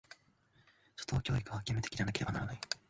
初等教育は、義務的でなければならない。